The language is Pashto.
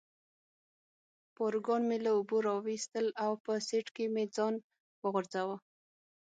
پاروګان مې له اوبو را وویستل او په سیټ کې مې ځان وغورځاوه.